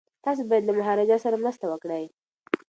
تاسي باید له مهاراجا سره مرسته وکړئ.